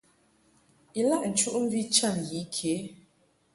Ilaʼ nchuʼmvi cham yi ke.